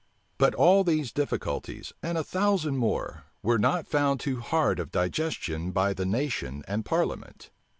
But all these difficulties, and a thousand more, were not found too hard of digestion by me nation and parliament.